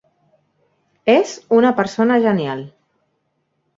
És una persona genial.